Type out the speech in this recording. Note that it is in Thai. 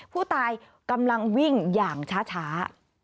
ผู้ตายกำลังวิ่งอย่างช้า